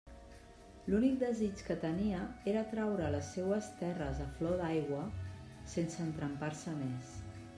L'únic desig que tenia era traure les seues terres a flor d'aigua, sense entrampar-se més.